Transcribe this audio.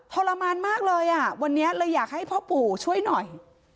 ทรมานมากเลยอ่ะวันนี้เลยอยากให้พ่อปู่ช่วยหน่อย